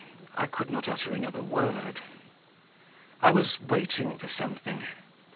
I could not utter another word.... I was waiting for something ...